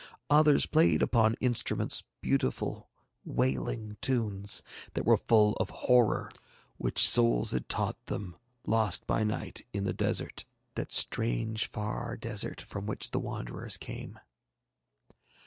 Others played upon instruments beautiful wailing tunes that were full of horror, which souls had taught them lost by night in the desert, that strange far desert from which the Wanderers came.